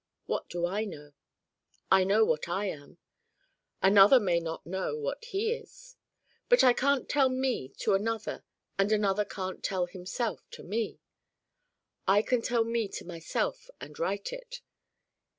What do I know? I know what I am. Another may know what he is. But I can't tell Me to Another and Another can't tell Himself to Me. I can tell Me to myself and write it.